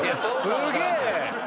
すげえ！